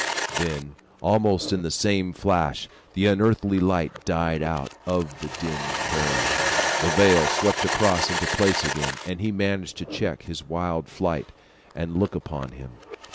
"Then almost in the same flash, the unearthly light died out of the dim prairie, the veil swept across into place again; and he managed to check his wild flight, and look about him.